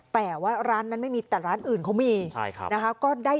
แต่ว่าร้านนั้นไม่มีแต่ร้านอื่นเขามีใช่ครับนะคะ